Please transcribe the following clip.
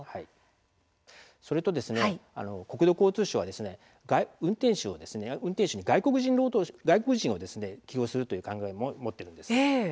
それと国土交通省は運転手に外国人労働者を起用するということも考えているんです。